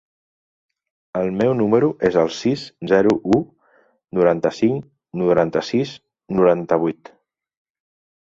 El meu número es el sis, zero, u, noranta-cinc, noranta-sis, noranta-vuit.